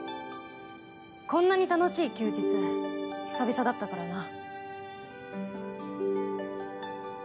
こんなに楽しい休日久々だったからな。